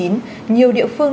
nhiều địa phương